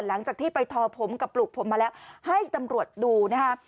หลังจากที่ไปทอผมกับปลูกผมมาแล้วให้ตำรวจดูนะคะ